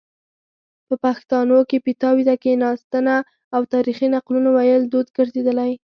په پښتانو کې پیتاوي ته کیناستنه او تاریخي نقلونو ویل دود ګرځیدلی